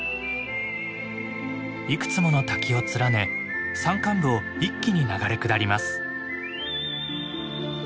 いくつもの滝を連ね山間部を一気に流れ下ります。